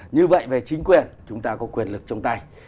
như vậy về chính quyền chúng ta có quyền lực trong tay